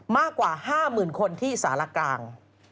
มากกว่า๕๐๐๐๐คนที่อิสละกราง